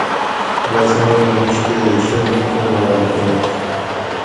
بسان ہُوش تے شۤن کوماۤل ہُواۤںش